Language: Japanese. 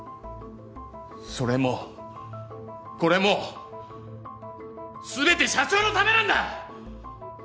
それもこれも全て社長のためなんだ！